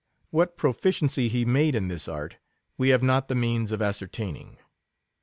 What proficien cy he made in this art, we have not the means of ascertaining.